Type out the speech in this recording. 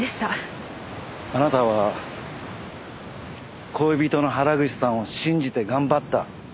あなたは恋人の原口さんを信じて頑張った。